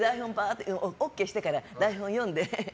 ＯＫしてから台本バーって読んで。